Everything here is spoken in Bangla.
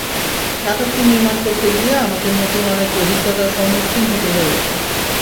নাটকটি নির্মাণ করতে গিয়ে আমাকে নতুন অনেক অভিজ্ঞতার সম্মুখীন হতে হয়েছে।